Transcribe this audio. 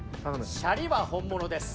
シャリは本物です。